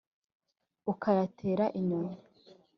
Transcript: ukayatera inyoni”